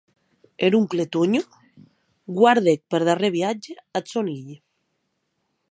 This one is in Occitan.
Er oncle Tònho guardèc per darrèr viatge ath sòn hilh.